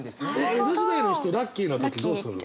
江戸時代の人ラッキーの時どうすんの？